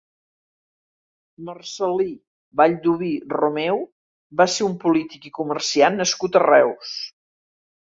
Marcel·lí Vallduví Romeu va ser un polític i comerciant nascut a Reus.